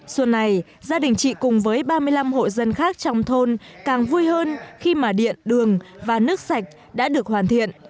xuân này gia đình chị cùng với ba mươi năm hộ dân khác trong thôn càng vui hơn khi mà điện đường và nước sạch đã được hoàn thiện